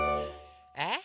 えっ？